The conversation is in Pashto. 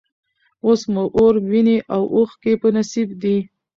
اوس مو اور، ویني او اوښکي په نصیب دي